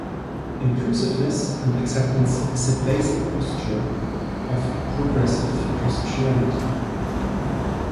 Inclusiveness and acceptance is the basic posture of progressive Christianity.